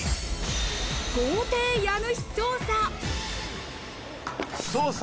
豪邸家主捜査。